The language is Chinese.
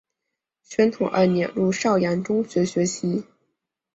宣统二年入邵阳中学学习。